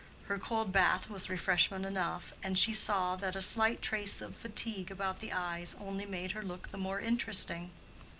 Her cold bath was refreshment enough, and she saw that a slight trace of fatigue about the eyes only made her look the more interesting.